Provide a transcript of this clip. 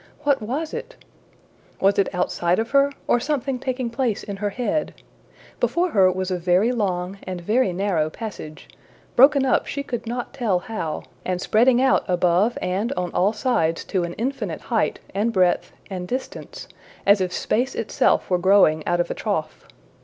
What was it? Was it outside of her, or something taking place in her head? Before her was a very long and very narrow passage, broken up she could not tell how, and spreading out above and on all sides to an infinite height and breadth and distance as if space itself were growing out of a trough.